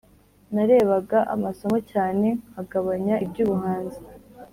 Narebaga amasomo cyane nkagabanya iby’ubuhanzi.